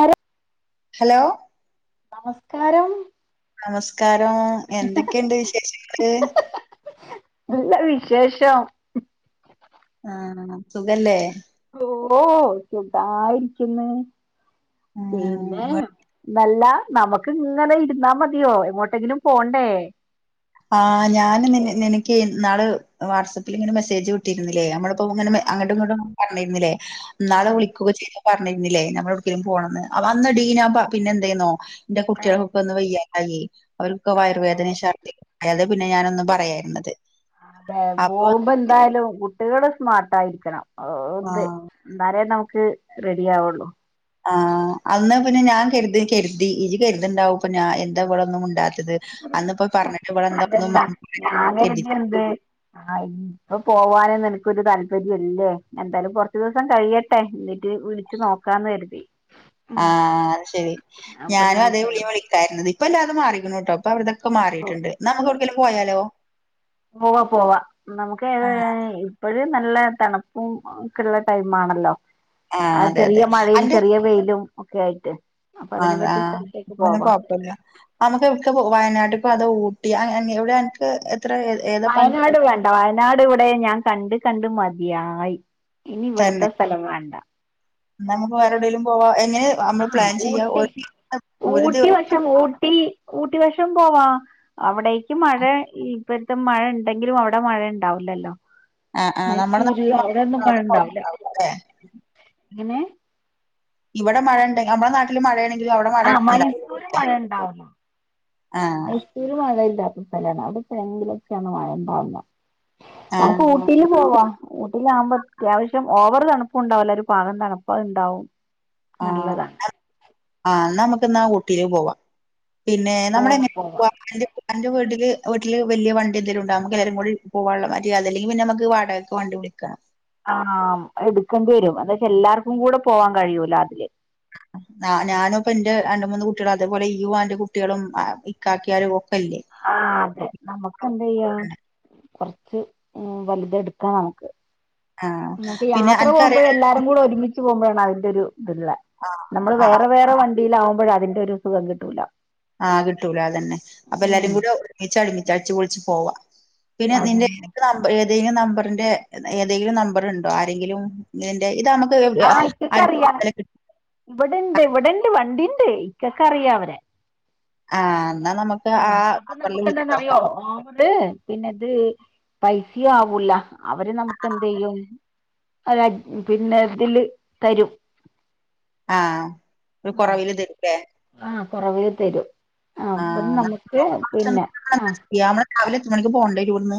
ആരാ ഹലോ നമസ്കാരം നമസ്കാരം എന്തൊക്കെയുണ്ട് വിശേഷങ്ങള് നല്ല വിശേഷം ആഹ് സുഖല്ലേ ഓ സുഖായിരിക്കുന്നു പിന്നെ ആ നല്ല നമുക്ക് ഇങ്ങനെ ഇരുന്നാ മതിയോ എങ്ങോട്ടെങ്കിലും പോണ്ടേ ആ ഞാൻ എനിക്ക് നാ വാട്സാപ്പിൽ ഇങ്ങനെ മെസ്സേജ് കിട്ടിരുന്നില്ലേ നമ്മള് അപ്പൊ അങ്ങനെ അങ്ങോട്ടും ഇങ്ങോട്ടും പറഞ്ഞിരുന്നില്ലേ നാള് ആഹ് വിളിക്കുക ചെയ് പറഞ്ഞിരുന്നില്ലേ നമ്മ എടേക്കേലും പോണ്ന്ന് അന്ന്ടീ പിന്നെ എന്ത ചെയന്നോ ന്റ ആഹ് കുട്ടികൾക്കൊക്കെ അന്ന് വയ്യാണ്ടായി അവർക്ക് അതെ വയർവേദന ശർദ്ദി പിന്നെ ഞാനൊന്നും പറയാഞ്ഞത് പോകുമ്പോ എന്തായാലും കുട്ടികള് സ്മാർട്ടായിരിക്കണം ഓ ഇത് ആ എന്നാലേ നമുക്ക് റെഡി ആവുള്ളൂ ആഹ് അന്ന് പിന്നെ ഞാൻ കരുതി കരുതി ഇരി കരുത്ണ്ടാവും അപ്പൊ ഞാൻ എന്താ അവവിടെ ഒന്നും ഉണ്ടാ അന്ന് പ്പോ പറഞ്ഞിട്ട് ഇ വിടെ എന്താ അതല്ല ഞാൻ [unintelligible] കരുതി എന്ത് ആഹ് ഇപ്പ പോവാന് ന്ന് ഒരു താല്പര്യല്ലേ എന്തായാലും കുറച്ച ദിവസം കഴിയട്ടെ എന്നിട്ട് വിളിച്ച് നോക്കാന്ന് കരുതി ഉം ആ അത് ശെരി അപ്പൊ ഞാനും അതേ ഇങ്ങനെയൊക്കെയാണ് വിളിയും വിളിക്കാരുന്നത് ഇപ്പ അല്ലാതെ മാറിക്കണ കേട്ടോ അപ്പൊ അവരുത ക്കെ മാറിട്ടുണ്ട് നമുക്ക് എവിടക്കേലും പോയാലോ പോവാ പോവാ നമുക്ക്ഏ ആഹ് ഇപ്പ നല്ല തണുപ്പും ഒക്കെള്ള ടൈം ആണല്ലോ ആഹ് ആ അതെ ചെറിയ അതെ മഴയും ചെറിയ വെയിലും ഒക്കെ ആയിട്ട് അപ്പൊ ആ അതിനെ അതെ പറ്റിയ സ്ഥലത്തേക്ക് അപ്പോ പിന്നെ പോവാ കൊഴപ്പില്ല നമ്മുക്ക് വയനാട്ട അപ്പൊ അത് ഊട്ടി അ എവിടെ അനക്ക് എ വയനാട് വേണ്ട വയനാട് ഇവിടെ വിടെ ഞാൻ കണ്ട് കണ്ട് മതിയായി ഇനി തന്നെ ഇവിടത്തെ സ്ഥലം കാണ്ടാ നമുക്ക് വേറെടേങ്കിലും പോവാ എങ്ങനെ ആ നമ്മള് പ്ലാൻ ചെയ്യി ഊട്ടി ദിവസ [unintelligible] ഊട്ടിവശം പോവാ അവിടേക്ക് മഴ ഈ ഇപ്പഴത്തെ മഴ ഇണ്ടെങ്കിലും അവിടെ മഴ ഇണ്ടാവില്ലല്ലോ ആഹ് ആഹ് നമ്മുടെ മൈസൂര് നാട്ടില് മാത്രം അവിടൊന്നും അവിടെ മഴണ്ടാവില്ല കുഴപ്പണ്ടാവൂല ല്ലേ എങ്ങനെ ഇവിടെ മഴ ഉണ്ട് നമ്മളെ നാട്ടില് മഴണെങ്കി ആ മൈസൂര് മഴണ്ടാവും ആഹ് മൈസൂര് മഴ [unintelligible] സ്ഥലാണ് അവിടത്തെ എങ്കിലൊക്കെയാണ് മഴ ഉണ്ടാവുന്ന നമുക്ക് ആഹ് ഊട്ടില് പോവാ ഊട്ടിലാകുമ്പോ അത്യാവശ്യം ഓവർ തണ് തണുപ്പ് ഉണ്ടാവൂല ഒരു പാഗം തണുപ്പ് അത്ണ്ടാവും നല്ലതാ ന്നാ ആ ഊട്ടില് പോവാ പിന്നെ പോവാ പോവാ നമ്മളെങ്ങനാ അന്റെ വീട്ടില് വീട്ടില് വിയ വണ്ടിന്തെലുംണ്ടാവും എല്ലരും കൂടി പോകുള്ള മാതിരി അല്ലെങ്കി പിന്നെ നമുക്ക് വാടകക്ക് വണ്ടി വിളിക്കണം ആ എടുക്കേണ്ടി വരും എന്ന്ച്ച എല്ലാർക്കും കൂടെ പോവാൻ കഴിയൂല അതില് ഞാനും ഇപ്പ എന്റെ രണ്ട് മൂന്ന് കുട്ടികളും അതേപോലെ യു ആന്റെ കുട്ടികളും ഇക്കാക്കിയാരും ഒക്കെ ഇല്ലേ ആഹ് അതെ നമക്ക് എന്തയ്യ കുറച്ച് വലുത് എടുക്കാ നമുക്ക് ആഹ് ഇന്ന്പ്പൊ പിന്നെ യാത്ര പോകുമ്പഴ അനക്കറിയണ എല്ലാരും കൂടെ ഒരുമിച്ച് പോകുമ്പോഴാണ് അതിന്റെഒരു ഇതല്ല നമ്മള് ആഹ് വേറെ വേറെ ആഹ് വണ്ടിയില ആകുമ്പോഴ അതിന്റെ ഒരു സുഖം കിട്ടൂല ആഹ് കിട്ടൂല അതന്നെ അപ്പൊ എല്ലാരും ഉം കൂടെ ഒരുമിച്ച ഒരുമിച്ച് അടിച്ചുപൊളിച്ച് പോവാ പിന്നെ നിന്റെ അതന്നെ എനിക്ക് നമ്പർ ഏതെിലും നമ്പറിന്റെ ഏതെങ്കിലും നമ്പർ ഉണ്ടോ ആരെങ്കിലും ഇന്റെ ഇതണോ അര് കക്കെ അറിയാംഇവിടെണ്ട് ഇവിടെണ്ട് വണ്ടി ഇക്കൊക്കെ അറിയ അവരെ ആ എന്നാ നമുക്ക് ആഹ ആ അപ്പൊ നമ്പറിൽ നമുക്ക് വിളിച്ച് എന്താന്ന്അറിയോ നോക്കാം ത്പിന്നെത് പൈസയും ആവൂല അവര് നമുക്ക് എന്താലും ചെയെയ്യും അ പിന്നെ ഇതില് തരും ആഹ ഒരു ആഹ് കുറവില് തരുലോ ആഹ് കൊറവില് തരും ആഹ് ആ അപ്പം നമ്മള് നമുക്ക് മൂന്ന് മാസം പിന്നെ ആഹ് [unintelligible] നമ്മൾ രാവിലെ എത്ര മണിക്ക് പോണ്ടേരും ഇവിടെന്ന്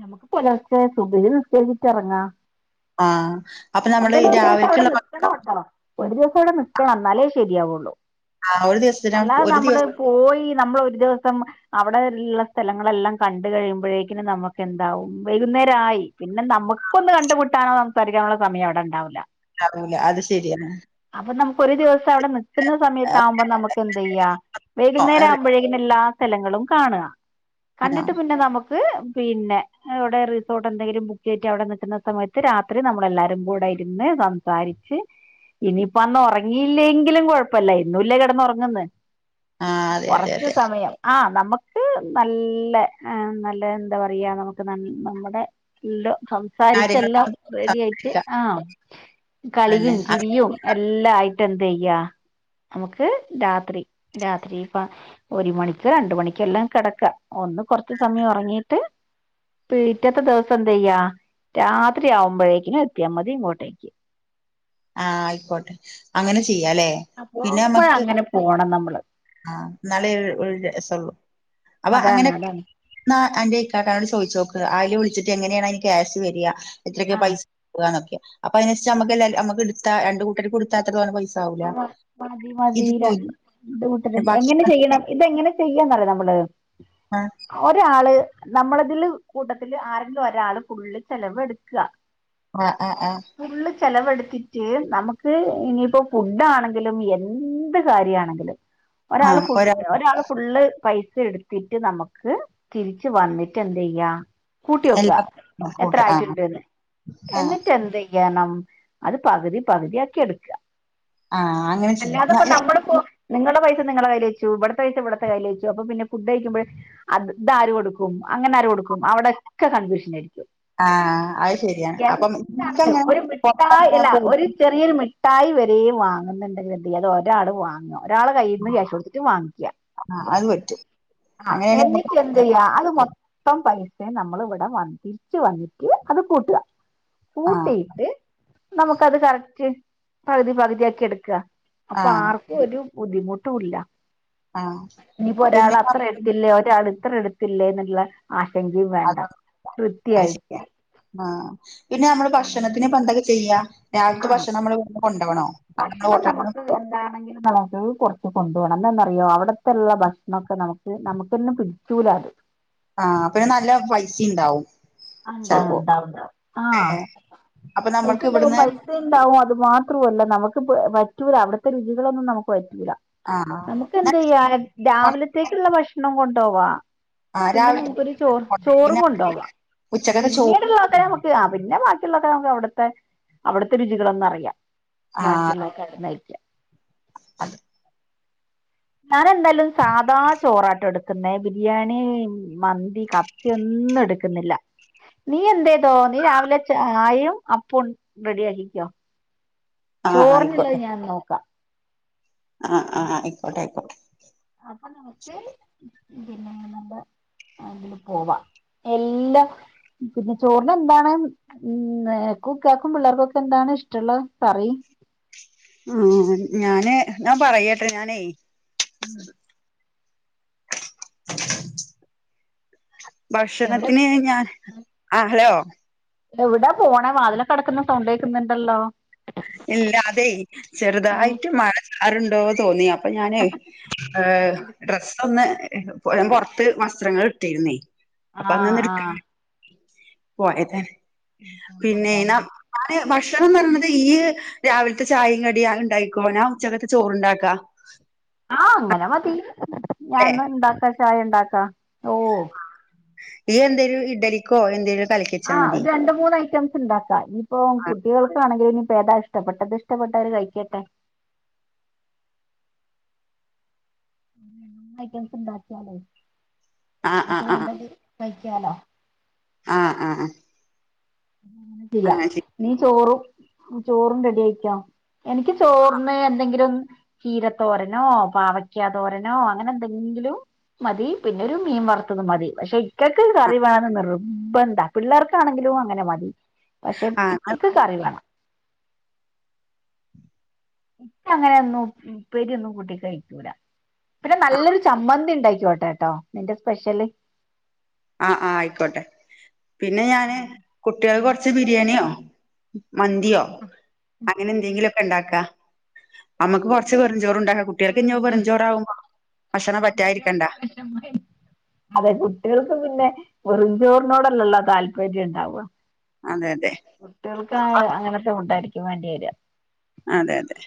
നമുക്ക് പുലർച്ചെ സുബ്ഹി നിസ്ക്കരിച്ച്ഇറങ്ങാം ആഹ് എന്താലുഒരു ദിവസം അവിടെ നിക്കണം എന്നാലേ ശരിയാവുള്ളൂ ആ ഒരു ദിവസത്തിന് അല്ലാതെ ഒരു നമ്മള് ദിവസം പോയി നമ്മൾ ഒരു ദിവസം അവി അവിടെ ഖള്ള സ്ഥലങ്ങളെല്ലാം കണ്ട കഴിയുമ്പോഴേക്കും നമുക്ക് എന്താവും വൈകുന്നേരമായി പിന്നെ നമുക്കൊന്ന് കണ്ടുമുട്ടാനോ സംസാരിക്കാനുള്ള സമയം അവിടെണ്ടാവൂലാ അല്ലെ അത് ശരിയാണ് അപ്പൊ നമുക്ക് ഒരു ദിവസം അവിടെ നിക്കുന്ന ആ സമയത്ത ആകുമ്പോ നമുക്ക് എന്ത് ചെയ്യാ ആ വൈകുന്നേരം ആവുമ്പോഴേകും എല്ലാ സ്ഥലങ്ങളും കാണുക കണ്ടിട്ട് പിന്നെ നമുക്ക് ന്നിട്പിന്നെ ഇവിടെ റിസോർട്ട് എന്തെങ്കിലും ബുക്ക് ചെയ്ട്ട് അവിടെ നിക്കുന്ന സമയത്ത് രാത്രി നമ്മളെല്ലാരും കൂടെ ഇരുന്ന് സംസാരി സംസാരിച്ച് ഇനിയിപ്പ അന്ന് ഉറങ്ങിയില്ലെങ്കിലും കൊഴപ്പല്ല എന്നുല്ലെകിടന്ന് ഉറങ്ങുന്ന ആ, അതെ അതെ കുറച്ച് അതെ സമയം ആഹ് നമുക്ക് നല്ല നല്ല എന്താ പറയാ നമുക്ക് ന നമ്മുടെ എല്ല കാര്യങ്ങളൊക്കെ സംസാരിച്ചല്ലാം റെഡി ആയിട്ട് സംസാരിക്കാം ആഹ അതന്നെ കളിയും ആ ചിരിയും എല്ലാ ആയിട്ട് എന്ത് ചെയ്യാ നമുക്ക് രാത്രി രാത്രിപ്പ ഒരു മണിക്ക് രണ്ട മണിക്ക എല്ലാം കിടക്കാം ഒന്ന് കൊറച്ച് സമയം ഉറങ്ങീട്ട് പിറ്റത്തെ ദിവസം എന്ത ചെയ്യാ രാത്രി ആവുമ്പോഴേക്കിനും എത്തിയാൽ മതി ഇങ്ങോട്ടേക്ക് ആഹ ആയിക്കോട്ടെ അങ്ങനെ ചെയ്യല്ലേ പിന്നെ പോകുമ്പോഴ നമ്മക്ക് അങ്ങനെ പോണം നമ്മള് ആഇനലെ ഒരു രസം ഉള്ളു അപ്പൊ അതാണ് അങ്ങനെ അതാണ് ഒക്കെയാണ് അന്റഇക്കാനോട് ചോദിച്ച നോക്ക് ആയില് വിളിച്ചിട്ട് എങ്ങനെയാണ് അയ്ന് കൃഷ്എത്രൊക്ക ആഹ് പൈസ പോവ എന്നൊക്കെ അപ്പൊ അതിനച്ച് നമ്മക്ക് രണ്ട് കൂട്ടര്ക്ക് എടുത്താ അത്രപൈസ ആ മതി മതിരണ്ട് കുട്ട എങ്ങനെ ഭക്ഷണം ചെയണം ഇതെങ്ങനെ ചെയ്യന്ന നമ്മൾ ആഹ് ഒരാൾ ഒരാൾനമ്മളതില് കൂട്ടത്തില്ൽ ആരെങ്കിലും ഒരാള് ഫുൾ ചെലവ് എടുക്കുക ആഹ് ആഹ ആഹ ചെലവടുത്തിട്ട് നമുക്ക് ഇനിയിപ്പോ ഫുഡാ ആണെങ്കിലും എന്ത് കാര്യമാണെങ്കിലും ഒരാള് ആഹ് ഒരാൾ ഫുഡ് ഒരാള് ഫുള്ള് പൈസ എടുത്തിട്ട് നമുക്ക് തിരിച്ച് വന്നിട്ട് എന്ത് ചെയ്യാ കൂട്ടി വക്കുക എല്ലാ എത്ര കൂട്ട് ആഹ് ആയിട്ടുണ്ട്ന്ന് ആഹ് എന്നിട്ട് എന്ത ചെയണം അത് പകുതി പകുതി ആക്കി എടുക്ക ആഹ് അങ്ങനെ ചെയ്യാം അല്ലാതെ ഇപ്പോ ഞാ- എ- നമ്മുടെ നിങ്ങളുടെ പൈസ നിങ്ങളെ കയ്ൽച്ചുവിടത്തെഴ ഇവിടുത്തെ കയ്ൽേച്ചു അപ്പ പിെ ഫുഡ് കഴിക്കുമ്പോ അത് അര് കൊടുക്കും അങ്ങനെടുക്കും കും അവടെയക്കെ കൺഫൂഷൻ ആയിരിക്കും ആഹ് അത് ശരിയാണ് അപ്പം എന്താണെങ്കും എനിക്കങ്ങനെ ഒരു മിഠായി പൊറത്തങ്ങനെ ഇല്ല ഒരു പോയിട്ട് ചെറിയൊരു മിഠാ മുട്ടായി വരെയും വാങ്ങുന്നുണ്ടെങ്കിൽ എന്ത് ചെയ്യ അത് ഒരാൾ വാങ്ങാ ഒരാള് കയ്യിൽന്ന് ക്യാഷ് കൊടുത്തിട്ട് വാങ്ങിക്ക ആഹ് അത് പറ്റും ആ അങ്ങനെയാണെങ്കി നമുക്ക് എന്നിട്ട് എന്ത്യ്യാ അത് മൊത്തം പൈ സെ നമ്മളിവിടെ വ തിരിച്ചു വന്നിട്ട് അത് കൂട്ട ആഹ് കൂട്ടിട്ട് നമുക്കത് കറക്റ്റ് പകുതി പകുതി ആക്കി എടുക്കുക അപ്പൊ ആഹ് ആർക്കും ഒരു ബുദ്ധിമുട്ട് ട്ടുള്ള ആഹ് ഇനിയിപ്പോ ഒരാൾ പിന്നെ അത്ര എടുത്തില്ലേ ഒരാൾ ഇത്ര എടുത്തില്ലേ എന്നുള്ള ആശങ്കയും വേണ്ട കൃത്യായി അത്ശരിയാ ആ പിന്നെ നമ്മള് അപ്പൊ അങ്ങനെ ഭക്ഷണത്തിന് ഇപ്പ എന്തൊക്കെ ചെയ്യാ ആ രാവിലത്തെ ഭക്ഷണം നമ്മള് ഇവിടുന്ന് ഭക്ഷണം കൊണ്ടോവണോ അത് നമ്മള് ഭക്ഷണം ഹോട്ടലിന്ന് നമുക്ക് എന്താണെങ്കിലും നമുക്ക്ത് കൊറ കൊണ്ടു പോണം എന്നന്നറിയോ അവിടത്തെുള്ള ഭക്ഷണംമൊക്കെ നമുക്ക് നമുക്കന്നും പിടിച്ചൂല അത് ആ അപ്പതിനു നല്ല പൈസ ഇണ്ടാവും ആഹ് ഉണ്ടാ ഉണ്ടവും ആ ഏഹ് അപ്പൊ പൈസ നമ്മൾക്ക് ഇണ്ടാവും ഇവിടുന്ന് പൈസ ഇണ്ടാവും അത് മാത്രല്ല നമുക്ക്റ്റൂല അവിത്തെ രുചികളൊന്നും നമുക്ക്റ്റ ആഹ് നമുക്ക് എന്ത് ചെയ്യാ രാവിലത്തേക്കുള്ള ഭക്ഷണം കൊണ്ടോവാ ആഹ് പിന്നെ രാവിലത്തെ നമുക്കൊരു ചോറ് കൊണ്ടോണം ചോറും പിന്നെ കൊണ്ടപോവാം ഉച്ചക്കത്തെ ചോറ് പിന്നീടുള്ളാത്ത നമുക്ക് ആ പി പിന്നെ ബാക്കിയുള്ളതൊക്കെ നമുക്ക് അവിടുത്തെ അവിടുത്തെ രുചികളൊന്നും അറിയാം ബാക്കിയുള്ളതൊക്കെ അവിടുന്ന് കഴിക്കാ അതെ ഞാൻ എന്തായാലും സാധാ ചോറാട്ടോ എടുക്ക ക്കുന്നെ ബിരിയാണി മന്തി കത്തി ഒന്നും എടുക്കുന്നില്ല നീ എന്ത ചെയ്തോ നീ രാവിലെ ചായേം അപ്പോം റെഡി ആക്കിക്കോ ആഹ് ചോറിനുള്ളത് ഞാൻ നോക്കാം ആ ആ ആയിക്കോട്ടെ ആയിക്കോട്ടെ അപ്പൊ നമക്ക് പിന്നെ നല്ല അതിന് പോവാ എല്ലാ പിന്നെ ചോറിന് എന്താണ് കുക്ക ആക്കും പിള്ളേർക്കൊക്കെ എന്താണ് ഇഷ്ടമുള്ള പറയ് [inaudible] ആ ഞാന് ഞാൻ പറയട്ടെ ഞാനേ [inaudible] എവിടെ ഭക്ഷണത്തിന് ഞാൻ ആ ഹലോ എവിടാ പോണേ വാതിലക്കെ അടക്കുന്ന സൗണ്ട കേക്കുന്നുണ്ടല്ലോ ഇല്ലാ അതെ ഉം ചെറുതായിട്ട് മഴക്കാറണ്ടോ തോന്നിയാ അപ്പൊ ഞാന് എ ഡ്രസ്സ് ഒന്ന് പുറത്ത് വസ്ത്രങ്ങൾ ഇിട്ടിരുന്നേ ആ ആ പോയതെ ഇടിക്കാൻ പിന്നെ ഞ പോയതാല്ലേ ഞാൻ ഭക്ഷണംന്ന് പറഞ്ഞ ഈ രാവിലത്തെ ചായയും കടിയ ഇണ്ടായിക്കോന ആ ഉച്ചകത്ത് ചോറുണ്ടാക്കാ ആ അങ്ങനെ മതി ല്ലേ ഞാന ഇണ്ടാക്കാ ചായ ഇണ്ടാക്കാ ഓ ഈ എന്തേലും ഇഡലിക്കോ എന്തേലും കലക്കിച്ചാ ആ മതി രണ്ട് മൂന്ന് ഐറ്റംസ് ഉണ്ടാക്കാം ഇപ്പൊ കുട്ടികൾക്കാണ ഇനിപ്പോ താ ഇഷ്ടപ്പെട്ടത് ഇഷ്ടപ്പെട്ടവര് കഴിക്കട്ടെ നന്നായിട്ട് ഉണ്ടാക്കിയാലേ ആ ആ അവർക്ക് ആ വേണ്ടത് കയിക്കാലോ ആ ആ ആ അങ്ങനെ ചെയ്യാം നീ ചോറും ചോറും റെഡി ആയിക്കോ എനിക്ക് ചോറിന്ന് എന്തെങ്കിലും ചീരത്തോരനോ പാവക്ക തോരനോ അങ്ങനെ എന്തെങ്കിലും ങ്കിലും മതി പിന്നെ ഒരു മീൻ വറുത്തത് മതി പക്ഷെ ഇക്കൊക്കെ ആ കറി വേണന്ന് നിറബന്ധ പിള്ളേർക്കാണെങ്കിലും അങ്ങനെ മതി പക്ഷെ ആ ആ ഇക്കക്ക് കറി വേണം ഇക്ക അങ്ങനെയൊന്നും ഉപ്പേരിയൊന്നും കൂട്ടി കഴിക്കൂല പിന്നെ നല്ലൊരു ചമ്മന്തി ഇണ്ടാക്ക ക്കോട്ടോ ട്ടോ നിന്റെ സ്പെഷ്യല് ആ ആ ആയിക്കോട്ടെ പിന്നെ ഞാന് കുട്ടികൾ കൊറച്ച് ബിരിയാണിയോ മന്തിയോ അങ്ങനെ എന്തെങ്കിലും ഒക്കെ ഇണ്ടാക്കാ നമ്മുക്ക് കൊറച്ച് വെറും ചോർ ചോറുണ്ടാക്ക കുട്ടികൾക്ക്ഇനി വെറും ചോറാവുമ്പോ അതെ കുട്ട്യേൾക്ക് ക്ക് പിന്നെ വെറിഞ്ചോറിനോടല്ലല്ലോ താല്പര്യം ഇണ്ടാവുക അതെ അതെ കുട്ട്യേൾക്ക് ആ അങ്ങനെത്തെ ഫുഡായിരിക്കും വേണ്ടി വരിക അതെ അതെ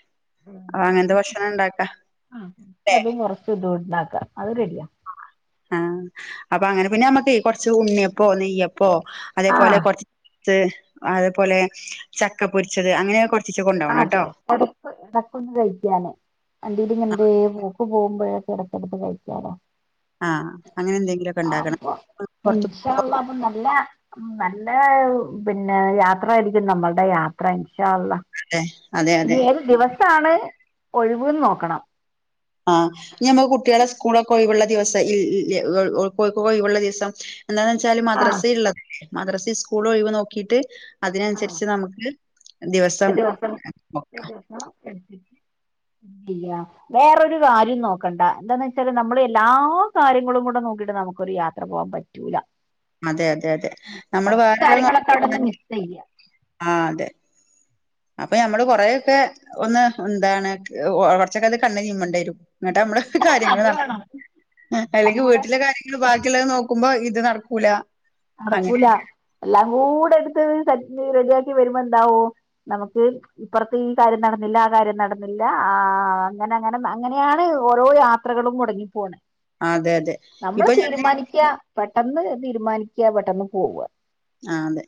അപ്പൊ അങ്ങനത്തെ ഭക്ഷണം ഉണ്ടാക്കാ ആ ല്ലേ അതും കുറച്ച് ഇതും ഇണ്ടാ ക്കാ അത് റഡിയാ ആഹ് അപ്പൊ അങ്ങനെ പിന്നെ നമ്മുക്ക് കുറച്ച് ഉണ്ണിയപ്പോ നെയ്യപ്പോ പ്പോ അതേപോലെ ആഹ് കൊറച്ച് അതേപോലെ ചക്ക പൊരിച്ചത് അങ്ങനെ കൊണ്ട് അതെ ഇടക്ക് ഇടക്കൊന്ന് കഴിക്കാ [unintelligible] പോകുമ്പഴൊക്കെ എടക്കെടുത്ത് കഴിക്കാലോ ആഹ് അങ്ങനെ എന്തെങ്കിലുമൊക്കെ ഉണ്ടാക്കണം ആപ്പൊ പുറത്ത് പോകുമ്പോഴൊക്കെ ഇൻഷാള്ളാ [unintelligible] നല്ല നല്ല പിന്നെ യാത്രായിരിക്കും നമ്മളുടെ യാത്ര ഇൻഷാള്ളാ അതെ ഇനി അതെ ഏത് ദിവസാണ് ഒഴിവ്ന്ന് നോക്കണം ആഹ് ഇനി ഞമ്മക്ക് കുട്ട്യേളെ സ്കൂളൊക്കെ ഒഴിവുള്ള ദിവസം ഇൽ ഇല്ലേ ഒ [unintelligible] ഒഴിവുള്ള ദിവസം എന്താന്ന് വെച്ചാല് മദ്രസ ആഹ് ഉള്ളത് മദ്രസ സ്കൂളും ഒഴിവ് നോക്കിട്ട് ആഹ് അതിനനുസരിച്ച് നമുക്ക് ഒരു ദിവസം ഉ ഇല്ല വേറൊരു കാര്യം നോക്കണ്ട എന്താന്ന് വെച്ചാല് നമ്മൾള് എല്ലാ കാര്യങ്ങളും കൂടെ നോക്കിട്ട് ഒന്നു നമുക്കൊരു യാത്ര പോകൻ പറ്റൂല അതെ അതെ അതെ നമ്മള് കുറച്ച് വേറെള്ളത് കാര്യങ്ങളൊക്കെ അവിടെന്ന് [unintelligible] മിസ് ചെയ്യ ആ അതെ അപ്പൊ ഞമ്മള് കൊറെക്കെ ഒന്ന് എന്താണ് കുറച്ചൊക്കെ അത് കണ്ണ് ചിമ്മണ്ടി വരും എന്നട്ട് നമ്മള് കാര്യങ്ങൾ നടത്ത [unintelligible] അതും അല്ലെങ്കിൽ കൂടെ വീട്ടിലെ കാര്യങ്ങൾ ബാക്കിയുള്ളത് നോക്കുമ്പോ ഇത് ഇത് നടക്കൂല അങ്ങനെ നടക്കൂല എല്ലാം കൂടെ എടുത്ത് സെറ്റ് റെഡിയാക്കി വരുമ്പോ എന്താവും നമുക്ക് ഇപ്പുറത്ത് ഈ കാര്യം നടന്നില്ല ആ കാര്യം നടന്നില്ല ആ അങ്ങനെ അങ്ങനെ അങ്ങനെയാണ് ഓരോ യാത്രകളും മുടങ്ങിപ്പോണെ അതെ അതെ നമ്മള് ഇപ്പൊ ഞാന് തീരുമാനിക്കാ പെട്ടെന്ന് തീരുമാനിക്കാ പെട്ടെന്ന് പോവുക ആ അതെ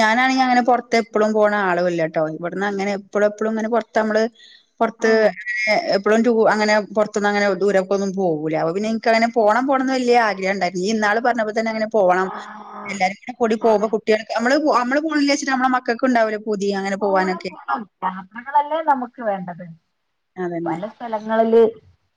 ഞാനാണെങ്കി അങ്ങനെ പുറത്തെ എപ്പോഴും പോണ ആളും അല്ല ട്ടോ ഇവിടുന്ന് അങ്ങനെ എപ്പളു എപ്പളും അങ്ങനെ പൊറത്ത് നമ്മള് പ പൊറത്ത് ഏ മ് എപ്പോഴും ടു അങ്ങന പൊറത്തൊന്നും അങ്ങനെ ദൂരക്കൊന്നും പോകൂലഅപ്പോ പിന്നെ എനക്ക്ങ്ങനെ പോണം പോണംന്ന് വലിയ ആഗ്രഹംണ്ടായിരുന്നു നീഇന്നാള് പറഞ്ഞപ്പ [unintelligible] അങ്ങനെ പോണം എല്ലാരുംകൂടി പോക്മ്പോ കുട്ടികൾ നമ്മ നമ്മള് പോണില്ലാച്ചിട്ട് നമ്മെളെ മക്കൾക്ക് ഉണ്ടാവില്ലേ പൂ പോണം പോണം യാത്രകളല്ലേ നമുക്ക് വേണ്ടത് അതന്നെ പല സ്ഥലങ്ങളില്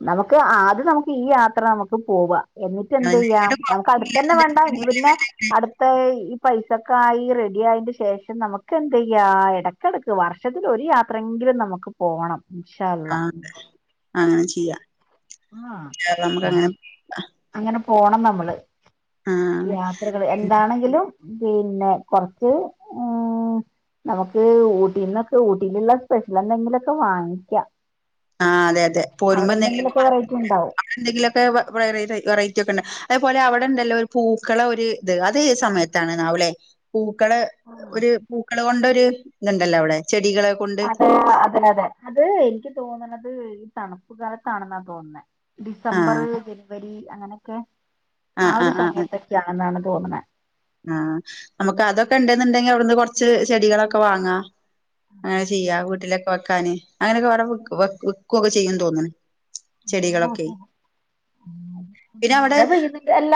നമുക്ക് ആദ്യം നമുക്ക് ഈ യാത്ര നമുക്ക് പോവാ എന്നിട്ട് എന്ത് ചെയ്യാം നമുക്ക് അടുത്തന്നെ അതിനെങ്ങട് വേണ്ട ഇനീ പിന്നെ അടുത്ത ഈ പൈസക്കെ ആയി റെഡി ആയന്റെ ശേഷം നമുക്ക് എന്ത് ചെയ്യാ [unintelligible] ഇടക്കിടക്ക് വർഷത്തിൽ ഒരു യാത്രയെങ്കിലും നമുക്ക് പോകണം ആ അതെ അങ്ങനെ ചെയ്യാം [unintelligible] നമുക്ക് അങ്ങനെ ആഹ് അങ്ങനെ പോണം നമ്മള് ആഹ് യാത്രകള് എന്താണെങ്കിലും പിന്നെ കൊറച്ച് ഏം നമുക്ക് ഊട്ടീന്നൊക്കെ ഊട്ടിയിലുള്ള സ്പെഷ്യൽ എന്തെങ്കിലുംക്കെ വാങ്ങിക്കാം ആ അതെ അതെ പോരുമ്പോ അവിടെ എന്തെങ്കിലുമക്ക എന്തെങ്കിലുമൊക്കെ വെറൈറ്റി വാങ്ങിക്കാം അവിടെന്തെിലൊക്കെ വെ വെറ വെറൈറ്റി റ്റിക്കണ്ട് അതേപോലെ അവിടെണ്ടല്ലോ ഒരു പൂക്കള ഒരു ഇത് അത് ഏത് സമയത്താണ് ണാവൂലെ പൂക്ക് പൂക്കള് ഉണ്ടാവും ഒരു പൂക്കൾ കൊണ്ടൊരു ഇതുണ്ടല്ലോ അവിടെ ചെടികളെ കൊണ്ട് അതെ അതെ അതെ അത് എനിക്ക് തോന്നണത് ഈ തണുപ്പ് കാലത്താണെന്നാ തോന്നുന്നേ ഡിസംബർ ആഹ് ജനുവരി അങ്ങനെയൊക്കെ ആ ആഹ് ഒരു സമയത്തൊക്കെയാണെന്നാണ തോന്നണെ ആ നമുക്ക് അതൊക്കെ ഉണ്ടന്നുണ്ടെങ്കി അവിടുന്ന് കൊറച്ച് ചെടികളൊക്കെ വാങ്ങാം അങ്ങനെ ചെയ്യാ വീട്ടിലൊക്കെ വെക്കാാന് അങ്ങനെയൊക്കെ വടെ വിക്കുവൊക്കെ ചെയ്യന്ന് തോന്നണ [unintelligible] പിന്നെ മഴ അവിടെ പെയ്യുന്നല്ല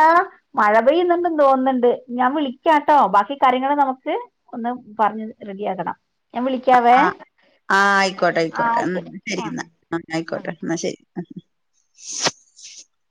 മഴ അയുന്നുണ്ട് തോന്നുന്നുണ്ട് ഞാൻ വിളിക്കാംട്ടോ ബാക്കി കാര്യങ്ങള്ൾ നമുക്ക് ഒന്ന് പറഞ്ഞഞ് റെഡിയാക്കണം ഞാൻ വിളിക്കാവേ ആ ആഹ് ആയിക്കോട്ടെ ആ ആയിക്കോട്ടെ ശരി ആ എന്നാൽ ആ ആയിക്കോട്ടെ എന്നാ ശരി [unintelligible]